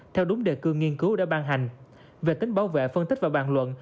theo đúng đề cương nghiên cứu đã ban hành về tính bảo vệ phân tích và bàn luận